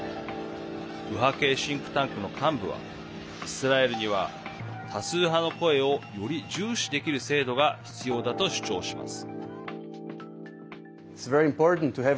右派系シンクタンクの幹部はイスラエルには多数派の声をより重視できる制度が必要だと主張します。